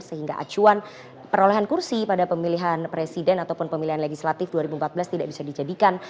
sehingga acuan perolehan kursi pada pemilihan presiden ataupun pemilihan legislatif dua ribu empat belas tidak bisa dijadikan